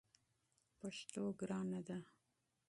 پښتو ګرانه ده!